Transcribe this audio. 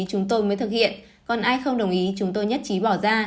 chúng tôi mới thực hiện còn ai không đồng ý chúng tôi nhất trí bỏ ra